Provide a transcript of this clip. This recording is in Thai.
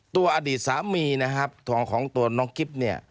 อดีตสามีนะครับทองของตัวน้องกิ๊บเนี่ย